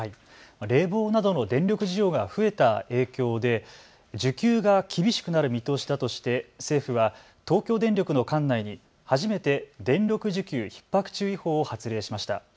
冷房などの電力需要が増えた影響で需給が厳しくなる見通しだとして政府は東京電力の管内に初めて電力需給ひっ迫注意報を発令しました。